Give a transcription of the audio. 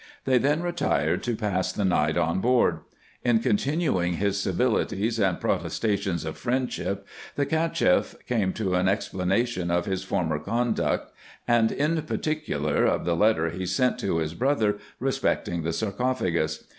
They then retired to pass the night on board. In continuing his civilities and protestations of friendship, the Cacheff came to an explanation of his former conduct, and, in par ticular, of the letter he sent to his brother respecting the sarcopha gus.